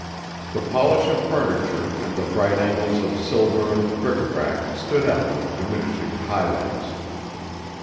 The polish of furniture and the bright angles of silver and bric à brac stood out with diminishing high lights.